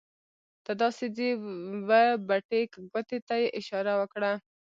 ته داسې ځې وه بټې ګوتې ته یې اشاره وکړه.